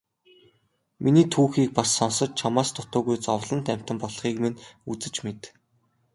Миний түүхийг бас сонсож чамаас дутуугүй зовлонт амьтан болохыг минь үзэж мэд.